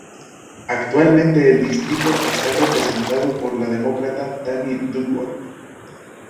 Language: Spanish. Actualmente el distrito está representado por la Demócrata Tammy Duckworth.